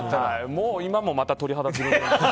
もう、今もまた鳥肌が。